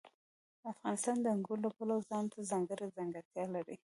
افغانستان د انګورو له پلوه ځانته ځانګړې ځانګړتیا لري.